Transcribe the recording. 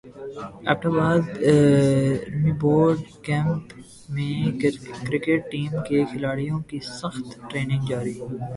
Abbott باد رمی boot camp میں کرکٹ ٹیم کے کھلاڑیوں کی سخت ٹریننگ جاری